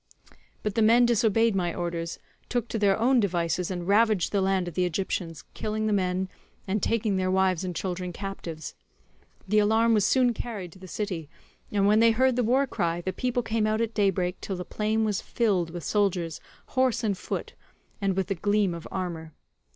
"But the men disobeyed my orders, took to their own devices, and ravaged the land of the Egyptians, killing the men, and taking their wives and children captives. The alarm was soon carried to the city, and when they heard the war cry, the people came out at daybreak till the plain was filled with soldiers horse and foot, and with the gleam of armour.